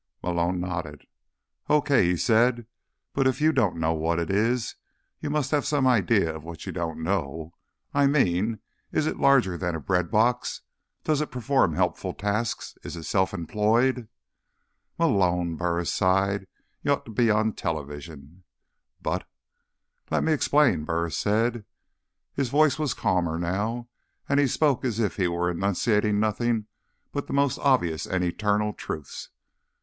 Malone nodded. "Okay," he said. "But if you don't know what it is, you must have some idea of what you don't know. I mean, is it larger than a breadbox? Does it perform helpful tasks? Is it self employed?" "Malone," Burris sighed, "you ought to be on television." "But—" "Let me explain," Burris said. His voice was calmer now, and he spoke as if he were enunciating nothing but the most obvious and eternal truths.